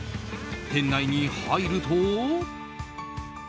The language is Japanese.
店内に入ると。